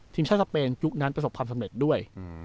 ทีมชาติสเปนยุคนั้นประสบความสำเร็จด้วย